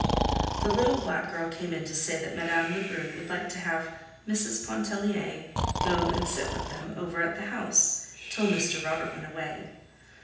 The little black girl came in to say that Madame Lebrun would like to have Mrs. Pontellier go and sit with them over at the house till Mr. Robert went away.